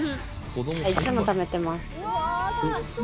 いつもためてます。